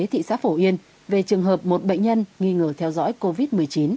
thị xã phổ yên về trường hợp một bệnh nhân nghi ngờ theo dõi covid một mươi chín